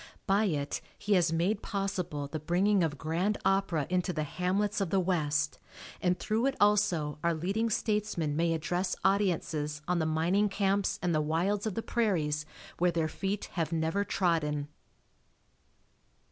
By it he has made possible the bringing of grand opera into the hamlets of the West, and through it also our leading statesmen may address audiences on the mining camps and the wilds of the prairies where their feet have never trodden.